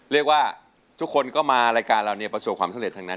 เรียกว่าทุกคนก็มารายการเราเนี่ยประสบความสำเร็จทั้งนั้น